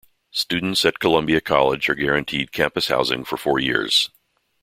Students at Columbia College are guaranteed campus housing for four years.